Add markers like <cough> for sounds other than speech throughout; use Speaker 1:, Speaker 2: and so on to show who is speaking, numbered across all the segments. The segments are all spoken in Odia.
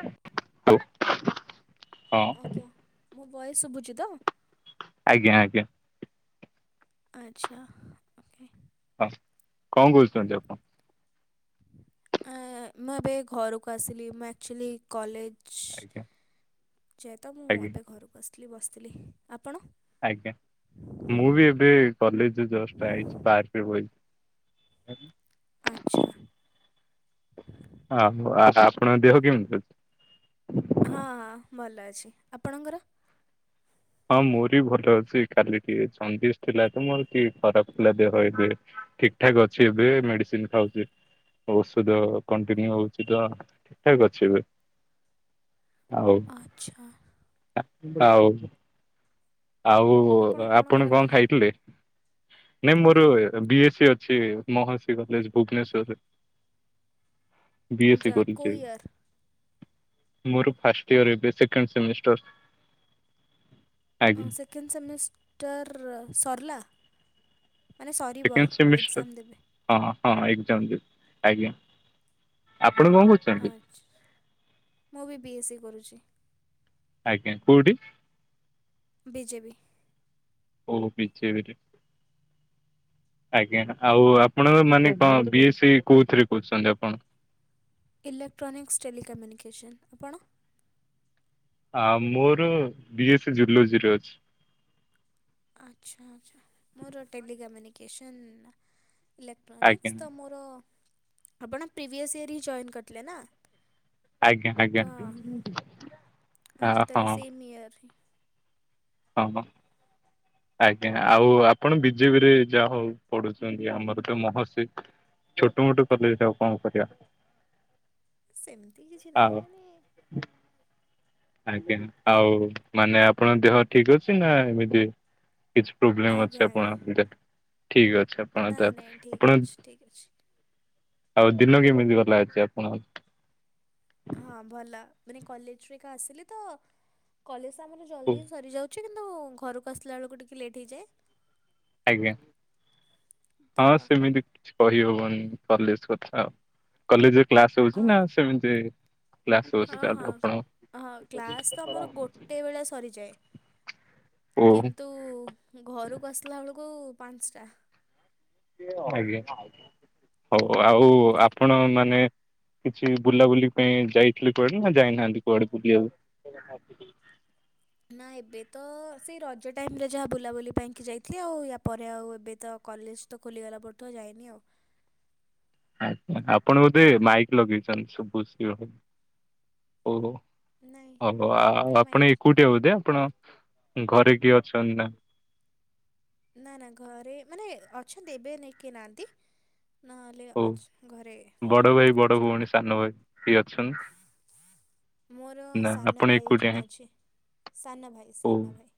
Speaker 1: <inaudible> ହଉ। ହଁ
Speaker 2: ଆଜ୍ଞା ମୁଁ ଭୟସ ଶୁଭୁଛି ତ?
Speaker 1: ଆଜ୍ଞା ଆଜ୍ଞା।
Speaker 2: ଆଚ୍ଛା ଓକେ।
Speaker 1: ହଁ କଣ କରୁଛନ୍ତି ଆପଣ?
Speaker 2: ମୁଁ ଏବେ ଘରକୁ ଆସିଲି ମୁଁ ଆକ୍ଚୁଆଲି କଲେଜ ସୁ
Speaker 1: ଆଜ୍ଞା
Speaker 2: <inaudible> ଯେହେତୁ ମୁଁ
Speaker 1: ଆଜ୍ଞା
Speaker 2: ଏବେ ଘରକୁ ଆସଥିଲି ବସିଥିଲି। ଆ
Speaker 1: ଆଜ୍ଞା ମୁଁ ବି ଏବେ କଲେଜ ଜଷ୍ଟ ଆଇଚି ପାର୍କ ରେ ବଇଚି। ଆଉ।
Speaker 2: ଆଚ୍ଛା। <inaudible>
Speaker 1: ଆ ଆ ଆପଣଙ୍କ ଦେହ କେମିତି ଅଛି?
Speaker 2: ହଁ ହଁ ଭଲ ଅଛି ଆପଣଙ୍କର?
Speaker 1: ହଁ ମୋରି ଭଲ ଅଛି କାଲି ଟିକେ ଜଣ୍ଡିସ ଥିଲା ତ। ମୋର ଟିକେ ଖରାପ ଥିଲା ଦେହ ଏବେ। ଠିକ ଠାକ ଅଛି ଏବେ ମେଡିସିନ ଖାଉଚି। ଔଷଧ କଣ୍ଟିନ୍ୟୁ ହଉଛି ତ ଠିକ ଠାକ ଅଛି ଏବେ। <inaudible> ଆଉ
Speaker 2: ଆଚ୍ଛା।
Speaker 1: ଆଉ। ଆଉ ଆପଣ କଣ ଖାଇଥିଲେ। ନାଇଁ ମୋର ବି ଏ ସ ଅଛି ମହର୍ଷି କଲେଜ ଭୁବନେଶ୍ଵରରେ। <inaudible> ବି ଏସ୍ ସି
Speaker 2: ଆଚ୍ଛା
Speaker 1: କରିଛି।
Speaker 2: କେଉଁ ଇୟର୍
Speaker 1: ମୋର ଫାଷ୍ଟ ଇୟର ଏବେ ସେକେଣ୍ଡ ସେମିଷ୍ଟର। <inaudible>
Speaker 2: ସେକେଣ୍ଡ ସେମିଷ୍ଟର ସରିଲା। <inaudible> ମାନେ ସରିିବ
Speaker 1: ସେକେଣ୍ଡ ସେମିଷ୍ଟର
Speaker 2: ଏକ୍ସାମ ଦେବେ।
Speaker 1: ହଁ ହଁ ଏକ୍ସାମ୍ ଦେବି ଆଜ୍ଞା <inaudible> ଆ
Speaker 2: ଆଚ୍ଛା <inaudible> ମୁଁ ବି ବି ଏ ସି କରୁଛି।
Speaker 1: ଆଜ୍ଞା କୋଉଠି?
Speaker 2: ବିଜେବିି।
Speaker 1: ଓ ବିଜେବି ରେ। <inaudible> ଆଜ୍ଞା, ଆଉ ଆପଣ ମାନେ କଣ, ବି ଏସ ସି କୋଉଥିରେ କରୁଛନ୍ତି ଆପଣ।
Speaker 2: ଇଲେକ୍ଟ୍ରାନିକସ୍ ଟେଲିିକମ୍ୟୁନିକେସନ୍ ଆପଣ?
Speaker 1: ଆ ମୋର ବି ଏସ୍ ସି ଜୁଲୋଜିରେ ଅଛି।
Speaker 2: ଆଚ୍ଛା ଆଚ୍ଛା ମୋର ଟେଲିିକମ୍ୟୁନିକେସନ୍
Speaker 1: ଆଜ୍ଞା।
Speaker 2: ଇଲେକ୍ଟ୍ରୋନିକ୍ସ ତ ମୋର ଆପଣ ପ୍ରିଭିଅସ୍ ଇୟର୍ ହିଁ ଜଏନ୍ କରିଥିଲେ ନା।
Speaker 1: ଆଜ୍ଞା ଆଜ୍ଞା
Speaker 2: ତ
Speaker 1: <inaudible>
Speaker 2: ଆଚ୍ଛା ତାହେଲେ
Speaker 1: ଓହୋ।
Speaker 2: ସେମ୍ ଇୟର୍ ହିଁ
Speaker 1: ହଁ ହଁ। ଆଜ୍ଞା ଆଉ ଆପଣ ବିଜେପି ରେ ଯାହା ହଉ ପଢୁଛନ୍ତି ଆମର ତ ମହର୍ଷି। ଛୋଟ ମୋଟ କଲେଜ ଆଉ କଣ କରିବା।
Speaker 2: ସେମିତି କିଛି ନାହିଁ
Speaker 1: ଆଉ
Speaker 2: ମାନେ <inaudible>
Speaker 1: ଆଜ୍ଞା, ଆଉ ମାନେ ଆପଣଙ୍କ ଦେହ ଠିକ ଅଛି ନା ଏମିତି କିଛି ପ୍ରୋବଲେମ୍
Speaker 2: ଆଜ୍ଞା
Speaker 1: ଅଛି
Speaker 2: ଆଜ୍ଞା
Speaker 1: ଆପଣ ଠିକ ଅଛି ଆପଣ
Speaker 2: ନାଇଁ ନାଇଁ ଠିକ୍
Speaker 1: ଆପଣ
Speaker 2: ଅଛି ଠିକ୍ ଅଛି
Speaker 1: ଆଉ ଦିନ କେମିତି ଗଲା ଆଜି ଆପଣ
Speaker 2: ହଁ ଭଲ ମାନେ କଲେଜରେ ଏବେ ଆସିଲ ତ କଲେଜ ଜଲଦି ସରିଯାଉ କିନ୍ତୁ ଘରକୁ ଆସିଲା ବେଳକୁ ଟିକେ ଲେଟ୍ ହେଇଯାଏ
Speaker 1: ଆଜ୍ଞା,
Speaker 2: ତ
Speaker 1: ହଁ ସେମିତି କିଛି କରିହବନି କଲେଜ କଥା ଆଉ, କଲେଜ ରେ କ୍ଲାସ
Speaker 2: ହଁ
Speaker 1: ହଉଛି ନା ସେମିତି କ୍ଲାସ ହଉଛି
Speaker 2: ହଁ
Speaker 1: ତାହେଲେ
Speaker 2: ହଁ,
Speaker 1: ଆପଣ
Speaker 2: ହଁ କ୍ଲାସ୍ ତ ଆମର ଗୋଟେ ବେଳେ ସରିଯାଏ
Speaker 1: ଓ
Speaker 2: କିନ୍ତୁ, ଘରକୁ ଆସିଲା ବେଳକୁ ପାଞ୍ଚଟା
Speaker 1: ଆଜ୍ଞା, ହଉ ଆଉ
Speaker 2: ଏମିତି
Speaker 1: ଆପଣ ମାନେ କିଛି ବୁଲାବୁଲି ପାଇଁ ଯାଇଥିଲେ କୁଆଡେ, ନା ଯାଇନାହାନ୍ତି କୁଆଡେ ବୁଲିବାକୁ <inaudible>
Speaker 2: ନା ଏବେ ତ, ସେଇ ରଜ ଟାଇମ ରେ ଯାହା ବୁଲାବୁଲି ପାଇଁକି ଯାଇଥିଲି ଆଉ ୟା ପରେ ଆଉ ଏବେ ତ କଲେଜ ତ ଖୋଲିଗଲା ପରଠୁ ଯାଏନି ଆଉ
Speaker 1: <inaudible> ଆଛା, ଆପଣ ବୋଧେ ମାଇକ୍ ଲଗେଇଛନ୍ତି, ଓହ ଓହ,
Speaker 2: ନାଇଁ ମାନେ ମାଇ
Speaker 1: ଆଆଆପଣ ଏକୁଟିଆ ବୋଧେ ଆପଣ ଘରେ କିଏ ଅଛନ୍ତି ନା
Speaker 2: ନା ନା, ଘରେ ମାନେ ଅଛନ୍ତି ଏବେ ନାହି କେହିନାହାନ୍ତି
Speaker 1: ହଉ, ବଡଭାଇ,
Speaker 2: ଅଛ
Speaker 1: ବଡଭଉଣୀ, ସାନଭାଇ କେହି ଅଛନ୍ତି
Speaker 2: ମୋର
Speaker 1: ନା
Speaker 2: ସାନ
Speaker 1: ଆପଣ
Speaker 2: ଭାଇ
Speaker 1: ଏକୁଟିଆ ହିଁ
Speaker 2: ଜଣେ ଅଛି ସାନ ଭାଇ
Speaker 1: ଓ,
Speaker 2: ସାନ ଭାଇ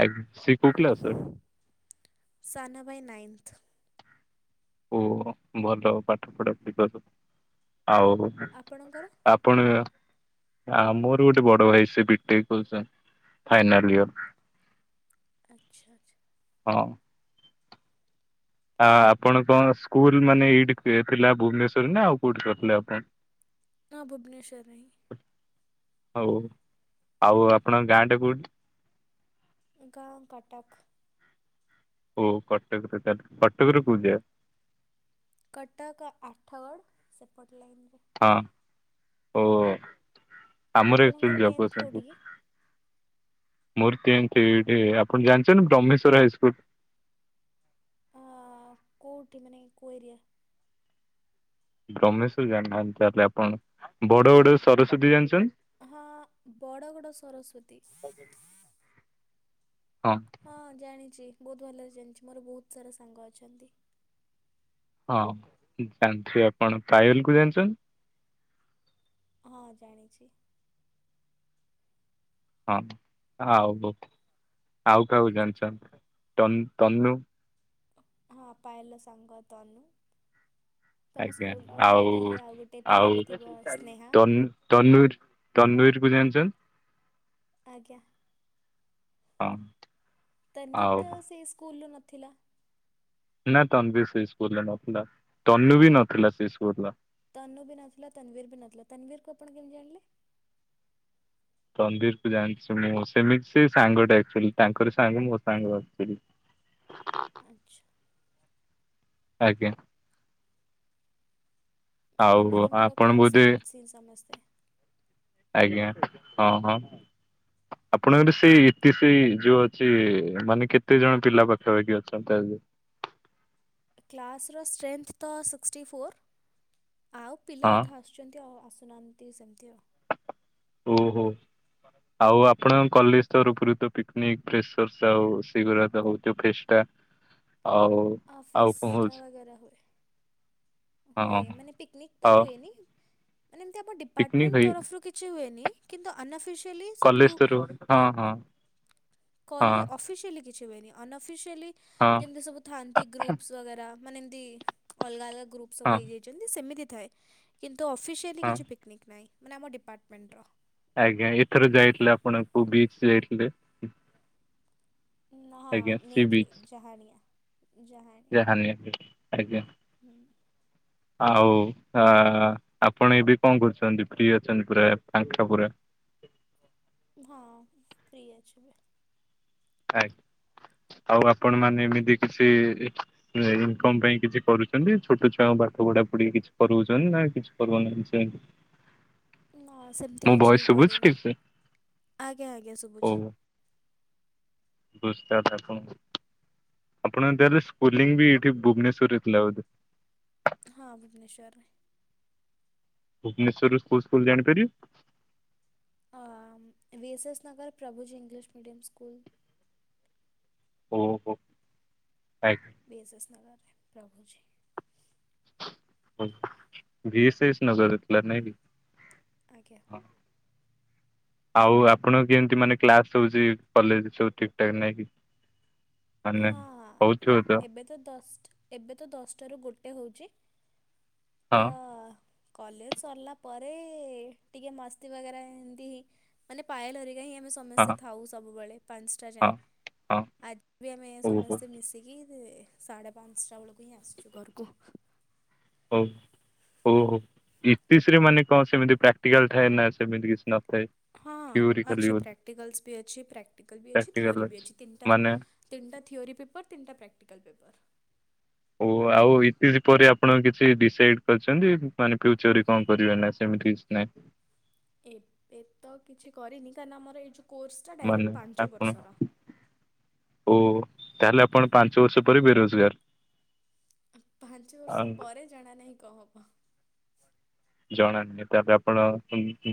Speaker 1: ଆ ସେ କୋଉ କ୍ଲାସ ର।
Speaker 2: ସାନଭାଇ ନାଇନ୍ଥ
Speaker 1: ଓ, ଭଲ ପାଠ ପଢା <unintelligible> ଆଉ
Speaker 2: ଆପଣଙ୍କର
Speaker 1: ଆପଣ ଆ, ମୋର ଗୋଟେ ବଡ ଭାଇ ସେ ବିଟେକ କରୁଛନ୍ତି। ଫାଇନଲ ୟର
Speaker 2: ଆଚ୍ଛାଆଛା
Speaker 1: ହଁ ଆ ଆପଣଙ୍କଣ ସ୍କୁଲ ମାନେ ଏଇଠି ଥିଲା ଭୁବନେଶ୍ୱର ରେ ନା ଆଉ କୋଉଠି କରିଥିଲେ ଆପଣ।
Speaker 2: ହଁ, ଭୁବନେଶ୍ୱର ରେ ହିଁ
Speaker 1: ହଉ, ଆଉ ଆପଣଙ୍କ ଗାଁ ଟା କୋଉଠି
Speaker 2: ଗାଁ କଟକ।
Speaker 1: ଓ କଟକରେ ତାଏଲେ କଟକରୁ ଯା
Speaker 2: କଟକ ଆଠାଗଡ୍ ସେପଟ ଲାଇନରେ।
Speaker 1: ହଁ ଓ ଆମର
Speaker 2: ଆପଣଙ୍କର ଟେନ୍ଥ କେଉଁଠି କି
Speaker 1: <unintelligible> ମୂର୍ତି ଏମତି ବି ଆପଣ ଜାଣିଛନ୍ତି ବ୍ରହ୍ମେଶ୍ଵର ହାଇସ୍କୁଲ୍।
Speaker 2: କେଉଠି ମାନେ କୋ ଏରିଆ।
Speaker 1: ବ୍ରହ୍ମେଶ୍ୱର ଜାଣି ନାହାନ୍ତି ତାଇଲେ ଆପଣ ବଡଗଡ ରେ ସରସ୍ଵତୀ ଜାଣିଚ
Speaker 2: ହଁ ବଡଗଡ ସରସ୍ଵତୀ। ହଁ ଜାଣିଛି ବହୁତ ଭଲରେ ଜାଣିଛି ମୋର ବହୁତ ସାରା ସାଙ୍ଗ ଅଛନ୍ତି।
Speaker 1: ହଁ ଜାଣିଥିବେ ଆପଣ ପାୟଲ୍ କୁ ଜାଣିଚନ୍ତି?
Speaker 2: ହଁ ଜାଣିଛି।
Speaker 1: ହଁ ହଉ ହୁ। ଆଉ କହାକୁ ଜାଣିଚନ୍ତ୍ ତନୁ?
Speaker 2: ହଁଅ ପାୟଲ ସାଙ୍ଗ ତନୁ। ତମ
Speaker 1: ଆଜ୍ଞା
Speaker 2: ସ୍କୁଲର ତାହେଲେ ଗୋଟେ
Speaker 1: ଆଉ-
Speaker 2: ପିଲା ବି ଥିବ
Speaker 1: ଆଉ
Speaker 2: ସ୍ନେହା
Speaker 1: ତନୁର ତନୁୁର <unintelligible>
Speaker 2: ଆଜ୍ଞା।
Speaker 1: ହଁ।
Speaker 2: ତାନବୀର
Speaker 1: ଆଉ
Speaker 2: ତ ସେଇ ସ୍କୁଲୁ ନଥିଲା?
Speaker 1: ନା ତନବିର୍ ବି ସେଇ ସ୍କୁଲରେ ନଥିଲା ତନୁ ବି ନଥିଲା ସେଇ ସ୍କୁଲ ର।
Speaker 2: ତନୁ ବି ନଥିଲା ତନବୀର ବି ନଥିଲା ତନବୀର କୁ ଆପଣ କେମିତି ଜାଣିଲେ?
Speaker 1: ତନବିର କୁ ଯାଣିଚି ମୁଁ ସେ ବି ସେ ସାଙ୍ଗଟା ଆକ୍ଚୁଆଲି ତାଙ୍କର ସାଙ୍ଗ ମୋ ସାଙ୍ଗ ଆକ୍ଚୁଆଲି।
Speaker 2: ଆଚ୍ଛା।
Speaker 1: ଆଜ୍ଞା।
Speaker 2: ହଁ
Speaker 1: ଆଉ
Speaker 2: ଏମାନେ ମୋର
Speaker 1: ଆପଣ ବୋଧେ
Speaker 2: କ୍ଲାସମେଟଶ୍ ସମସ୍ତେ।
Speaker 1: ଆଜ୍ଞା ହଁ ହଁ। ଆପଣଙ୍କର ସେଇ ଇତି ସେଇ ଯୋଉ ଅଛି ମାନେ କେତେ ଜଣ ପିଲା ପାଖାପାଖି ଅଛନ୍ତି ତା <unintelligible>
Speaker 2: କ୍ଲାସ୍ ର ଷ୍ଟ୍ରେନ୍ଥ ତ ସିକ୍ଷ୍ଟୀ ଫୋର୍ ଆଉ ପିଲା
Speaker 1: ହଁ
Speaker 2: ଅଧା ଆସୁଚନ୍ତି ଆଉ ଆସୁନାହାନ୍ତି ସେମିତି ଆଉ।
Speaker 1: ଓହୋ। ଆଉ ଆପଣଙ୍କ କଲେଜ୍ ତରଫରୁ ତ ପିକନିକ୍ ଫ୍ରେଶେରଶ୍ ଆଉ ସେଗୁରା ହଉଥିବା ଫେଷ୍ଟା? ଆଉ
Speaker 2: ଅ
Speaker 1: ଆଉ କଣ
Speaker 2: ଫେଷ୍ଟା
Speaker 1: ହଉଛି
Speaker 2: ବଗେରା ହୁଏ। ହୁଏ
Speaker 1: ହଁ
Speaker 2: ମାନେ ପିକନିକ୍ ତ
Speaker 1: ଆଉ
Speaker 2: ହୁଏନି ମାନେ ଏମିତି ଆମ
Speaker 1: ପିକନିକ
Speaker 2: ଡିପାର୍ଟମେଣ୍ଟ
Speaker 1: ହେଇ
Speaker 2: ତରଫରୁ କିଛି ହୁଏନି। କିନ୍ତୁ ଅନ୍ଅଫିସିଆଲି ସବୁ
Speaker 1: କଲେଜ ତରଫରୁ ହଁ
Speaker 2: ଲେ
Speaker 1: ହଁ
Speaker 2: କଲ୍
Speaker 1: ହଁ
Speaker 2: ଅଫିସିଆଲି କିଛି ହୁଏନି ଅନଅଫିସିଆଲି
Speaker 1: ହଁ
Speaker 2: ଯେମିତି ସବୁ ଥାନ୍ତି ଗ୍ରୁପ୍ସ ବଗେରା ମାନେ ଏମତି ଅଲଗା ଅଲଗା ଗ୍ରୁପ ସବୁ
Speaker 1: ହଁ
Speaker 2: ହେଇଯାଇଚନ୍ତି ସେମିତି ଥାଏ କିନ୍ ତୁ ଅଫିସିଆଲି
Speaker 1: ହଁ
Speaker 2: କିଛି ପିକନିକ୍ ନାହିଁ ମାନେ ଆମ ଡିପାର୍ଟମେଣ୍ଟର।
Speaker 1: ଆଜ୍ଞା ଏଥର ଯାଇଥିଲେ ଆପଣ କୋଉ ବିଚ ଯାଇଥିଲେ?
Speaker 2: ନା
Speaker 1: ଆଜ୍ଞା
Speaker 2: ହଁ ନେଇଥିଲେ ଜାହାଣିଆ। ଜାହାଣିଆ
Speaker 1: ଯାହାନିଆ ଆଜ୍ଞା
Speaker 2: ହୁଁ
Speaker 1: ଆଉ ଆ ଆପଣ ଏବେ କଣ କରୁଚନ୍ତି ଫ୍ରୀ ଅଛନ୍ତି ପୁରା ପାଙ୍କା ପୁରା?
Speaker 2: ହଁ ଫ୍ରି ଅଛି ଏବେ।
Speaker 1: ଆଗ୍ ଆଉ ଆପଣ ମାନେ ଏମିତି କିଛି ଇନକମ ପାଇଁ କିଛି କରୁଛନ୍ତି ଛୋଟ ଛୁଆଙ୍କ ପା ଠ ପଢ଼ା ପୁଡି କିଛି କରୋଉଚନ୍ତି ନା କିଛି କରୋଉ ନାହାଁନ୍ତି ସେମତି?
Speaker 2: ନା ସେମିତି କିଛି କରିନି
Speaker 1: ସେ
Speaker 2: ଆଜ୍ଞା ଆଜ୍ଞା ଶୁଭୁଛି।
Speaker 1: ବୁଝତାଥ ଆପଣଙ୍କୁ ଆପଣ ଏମିତିହେଲେ ସ୍କୁଂଲିଙ୍ଗ ବି ଏଠି ଭୁବନେଶ୍ଵରରେ ହେଇଥିଲା ବୋଧେ?
Speaker 2: ହଁ ଭୁବନେଶ୍ୱରରେ।
Speaker 1: ଭୁବନେଶ୍ଵରରୁ କୋଉ ସ୍କୁଲ ଜାଣିପାରିବି?
Speaker 2: ଆ VSS Nagar Prabhuji English medium school.
Speaker 1: ଓହୋ ଆ
Speaker 2: ଭିଏସେସ ନଗର ପ୍ରଭୁଜୀ।
Speaker 1: ହ ଭିଏସେସ ନଗରଥିଲା ନାଇଁ କି?
Speaker 2: ଆଜ୍ଞା।
Speaker 1: ହଁ ଆଉ ଆପଣ କେମତି ମାନେ କ୍ଲାସ ହୋଉଚି କଲେଜରେ ସବୁ ଠିକ ଠାକ ନାଇଁ କି? ମାନେ
Speaker 2: ହଁ ଏବେ ତ ଦଷ୍ଟ ଦଶଟାରୁ ଗୋଟେ ଗୋଟେ ହଉଚି
Speaker 1: ହଁ।
Speaker 2: କଲେଜ ସରିଲା ପରେ ଟିକେ ମସ୍ତି ବଗରା ଏମିତି ହିଁ ମାନେ ପାଏଲହେରିକା ହିଁ ଆମେ
Speaker 1: ହଁ
Speaker 2: ସମସ୍ତେ ଥାଉ ସବୁବେଳେ ପାଞ୍ଚଟା
Speaker 1: ହଁ
Speaker 2: ଯାଏଁ
Speaker 1: ହଁ
Speaker 2: ଆଜି ବି ଆମେ
Speaker 1: ଓହୋ
Speaker 2: ସମସ୍ତେ ମିଶିକି ସଦେପାଞ୍ଚଟା ବେଳାକୁୁ ହିଁ ଆସୁଛୁ ଘରକୁ।
Speaker 1: ହଉ ହଉ ହଉ ଇତିଶ୍ରୀରେ ମାନେ କଣ ସେମିତି ପ୍ରାକ୍ଟିକାଲ ଥାଏ ନା ସେମିତି କିଛି ନ
Speaker 2: ହଁ ଅଛି ପ୍ରାକ୍ଟିକାଲସ୍ ବି ଅଛି ପ୍ରାକ୍ଟିକାଲ ବି ଅଛି
Speaker 1: ପ୍ରାକ୍ଟିକାଲ
Speaker 2: ଥିଓରି ବି ଅଛି ତିନଟା
Speaker 1: ମାନେ
Speaker 2: ତିନି ତିଟା ଥିଓରି ପେପର ତିନଟା ପ୍ରାକ୍ଟୀକାଲ ପେପର।
Speaker 1: ଓ ଆଉ ଇତି ପରେ ଆପଣ କିଛି ଡିସାଇଡ କରିଛନ୍ତି। ମାନେ ଫ୍ୟୁଚର ରେ କଣ କରିବେ ନା ସେମିତି ନାଇଁ? <unintelligible>
Speaker 2: ଏ ଏବେ ତ କିଛି କରିନି କାରଣ ଆମର ଏଇ ଯୋଉ
Speaker 1: ମାନେ ଆପଣ ଓ ତାହାହେଲେ ଆପଣ ପାଞ୍ଚ ବର୍ଷ ଉପରେ ବେରୋଜଗାର?
Speaker 2: ପାଞ୍ଚ ବର୍ଷ
Speaker 1: ଆଉ
Speaker 2: ପରେ ଜଣା ନାହିଁ କ ହବ୍
Speaker 1: ଜଣାନାହିଁ ତାହାହେଲେ ଆପଣ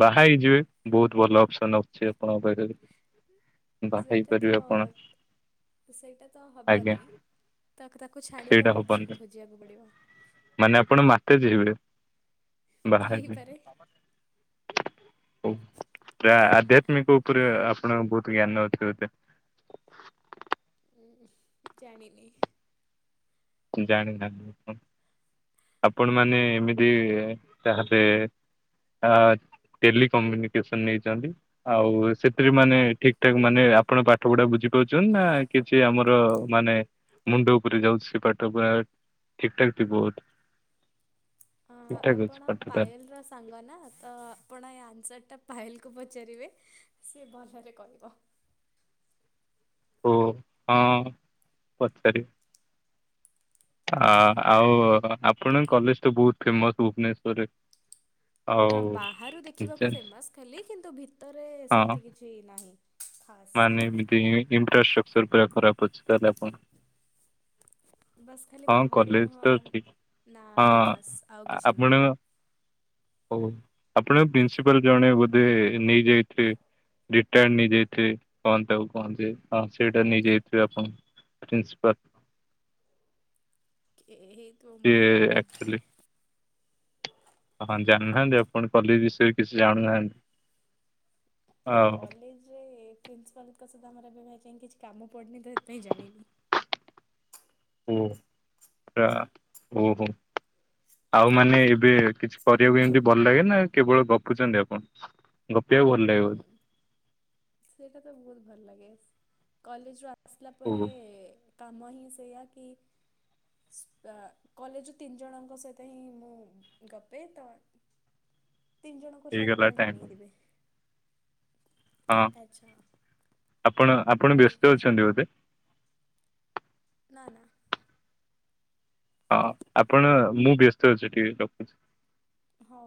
Speaker 1: ବାହା ହେଇଯିବେ ବହୁତ ଭଲ ଅପସନ ଅଛି ଆପଣଙ୍କ ପାଖରେ। ବାହା
Speaker 2: ସେଇଟା ତ
Speaker 1: ହେଇପାରିବେ ଆପଣ
Speaker 2: ସେଇଟା ତ
Speaker 1: ଆଜ୍ଞା
Speaker 2: ହବନି। ତ ତାକୁ ଛାଡ଼ିକି
Speaker 1: ସେଇଟା
Speaker 2: ଆଉ ଅପସନ୍
Speaker 1: ହବନି
Speaker 2: ଖୋଜିବାକୁ ପଡ଼ିବ।
Speaker 1: ମାନେ ଆପଣ ମାତାଜୀ ହେବେ ବାହା
Speaker 2: ହେଇପାରେ।
Speaker 1: ହା ଟା ଆଧ୍ୟାତ୍ମିକ ଉପରେ ଆପଣଙ୍କ ବହୁତ ଜ୍ଞାନ ଅଛି ବଧେ? <unintelligible>
Speaker 2: ଜାଣିନି।
Speaker 1: ଜାଣିନାହାନ୍ତି ଓ। ଆପଣ ମାନେ ଏମିତି ତାହେଲେ ଆ ଟେଲି କମୁନିକେସନ ନେଇଛନ୍ତି ଆଉ ସେଥିରେ ମାନେ ଠିକ ଠାକ ମାନେ ଆପଣ ପାଠ ପଢା ବୁଝି ହଉଜନ୍ତି ନା କିଛି ଆମର ମାନେ ମୁଣ୍ଡ ଉପରେ ଯାଉଛି ପା ତବା ଠିକଠାକ୍ ଥିବୁ ବହୁତ।
Speaker 2: ଆପଣ ପାଏଲର ସାଙ୍ଗ ନା ତ ଆପଣ ଏ ଆନସାରଟା ପାଏଲ କୁ ପଚାରିବେ ସେ ଭଲରେ କହିବ।
Speaker 1: ଓ ହଁ ପଚାରି ଆ ଆଉ ଆପଣଙ୍କ କଲେଜ ଟା ବହୁତ ଫେମସ ଭୁବନେଶ୍ଵରରେ
Speaker 2: ଆ ବାହାରୁ ଦେଖିବାକୁ ଫେମସ୍ ଖାଲି କିନ୍ତୁ ଭିତରେ
Speaker 1: ହଁ
Speaker 2: ସେମିତି କିଛି ନାହିଁ। ଖାସ୍
Speaker 1: ମାନେ ଏମିତି ଇନଫ୍ରାଷ୍ଟ୍ରକ୍ଚର ପୁରା ଖରାପ ଅଛି ତାହେଲେ ଆପଣ
Speaker 2: ବାସ୍ ଖାଲି
Speaker 1: ହଁ
Speaker 2: ବାହାରୁ
Speaker 1: କଲେଜ
Speaker 2: ହଁ
Speaker 1: ତ ଠିକ
Speaker 2: ନା ଫେମସ୍ ଆଉ କିଛି ନୁହଁ।
Speaker 1: ହୋଉ ଆପଣ ପ୍ରିନ୍ସିପାଲ ଜଣେ ବୋଧେ ନେଇଯାଇଥିବେ ରୋଟାର୍ଡ ନେଇ ଯା ଥିବେ କନ ତାକୁ କୁହନ୍ତି ହଁ ସେଇଟା ନେଇଯାଇଥିବେ ଆପଣ ପ୍ରିନ୍ସିପାଲ।
Speaker 2: ହେଇଥିବ
Speaker 1: ଯେ
Speaker 2: ମୁଁ ଜାଣିନି।
Speaker 1: ଆକଚୁଲି ଅଁହଁ ଜାଣିନାହାନ୍ତି ଆପ ପଣ କଲି ବିଷୟରେ କିଛି ଜାଣୁନାହାନ୍ତି। ଆଉ
Speaker 2: କଲେଜରେ ପ୍ରିନ୍ସିପାଲଙ୍କ ସ ଆମର ଏବେଯାଏଁ କିଛି କାମ ପଡ଼ିନି ତ ସେଥିପାଇଁ ଜାଇନି।
Speaker 1: ହୁଁ ଆ ଓହୋ। ଆଉମାନେ ଏବେ କିଛି କରିବାକୁ ଏମିତି ଭଲ ଲାଗେ ନା କେବଳ ଗପୁଚନ୍ତି ଆପଣ। ଗପିବାକୁ ଭଲଲାଗେ
Speaker 2: ହୁଁ
Speaker 1: ବୋଧେ
Speaker 2: ସେଇଟା ତ ବହୁତ ଭଲ ଲାଗେ। କଲେଜ ରୁ ଆସିଲା ପରେ
Speaker 1: ଓହୋ
Speaker 2: କାମ ହିଁ ସେୟା କି ସ ଆ କଲେଜରୁ ତିନିଜଣଙ୍କ ସହିତ ହିଁ ମୁଁ ଗପେ ତ
Speaker 1: <inaudible>
Speaker 2: ତିନି ଜଣଙ୍କୁ ଶାୟଦ୍
Speaker 1: ହେଇଗଲା
Speaker 2: ଆପଣ
Speaker 1: ଟାଇମ
Speaker 2: ଜାଣି ହିଁ ଥିବେ।
Speaker 1: ହଁ ଆପଣ ଆପଣ
Speaker 2: ହଉ ଠିକ୍
Speaker 1: ବ୍ୟସ୍ତ
Speaker 2: ଅଛି
Speaker 1: ଅଛନ୍ତି ବୋଧେ।
Speaker 2: ନା ନା।
Speaker 1: ହଁ ଆପଣ ମୁଁ ବ୍ୟସ୍ତ ଅଛି ଟିକେ ରଖୁଛି।
Speaker 2: ହଉ।